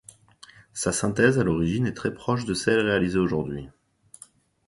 Sa synthèse à l'origine est très proche de celle réalisée aujourd'hui.